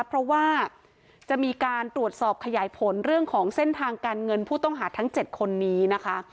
เพราะว่าจะมีการตรวจสอบขยายผลเรื่องของเส้นทางการเงินผู้ต้องหาทั้ง๗คนนี้นะคะ